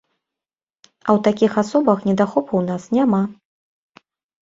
А ў такіх асобах недахопу ў нас няма.